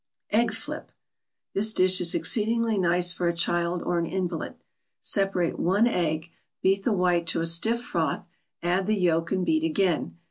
EGG FLIP This dish is exceedingly nice for a child or an invalid. Separate one egg, beat the white to a stiff froth, add the yolk and beat again.